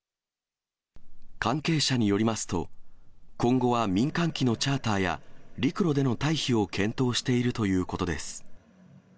関係者によりますと、今後は民間機のチャーターや、陸路での退避を検討しているということです。